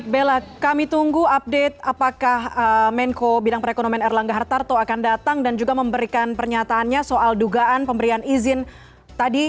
bella kami tunggu update apakah menko bidang perekonomian erlangga hartarto akan datang dan juga memberikan pernyataannya soal dugaan pemberian izin tadi